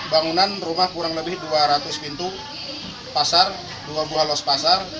bangunan rumah kurang lebih dua ratus pintu pasar dua buah los pasar